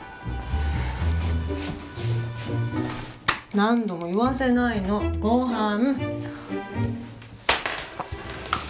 何度も言わせないのごはん！